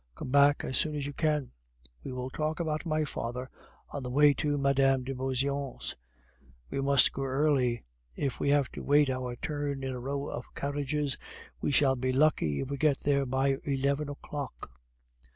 Come back as soon as you can; we will talk about my father on the way to Mme. de Beauseant's. We must go early; if we have to wait our turn in a row of carriages, we shall be lucky if we get there by eleven o'clock."